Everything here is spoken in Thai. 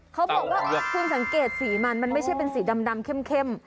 เขาบอกว่าคุณสังเกตสีมันมันไม่ใช่เป็นสีดำเข้ม